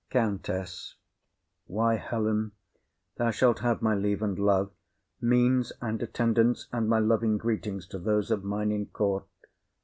COUNTESS. Why, Helen, thou shalt have my leave and love, Means and attendants, and my loving greetings To those of mine in court.